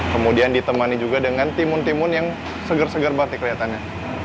kemudian ditemani juga dengan timun timun yang segar segar banget nih kelihatannya